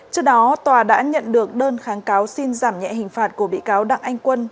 trước đó tòa đã nhận được đơn kháng cáo xin giảm nhẹ hình phạt của bị cáo đặng anh quân